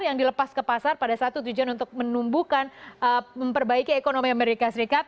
yang dilepas ke pasar pada satu tujuan untuk menumbuhkan memperbaiki ekonomi amerika serikat